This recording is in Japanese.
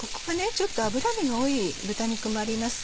ちょっと脂身が多い豚肉もあります。